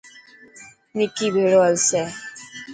نڪي ڀيڙو هلسي.